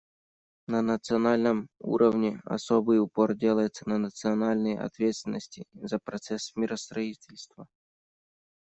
На национальном уровне особый упор делается на национальной ответственности за процесс миростроительства.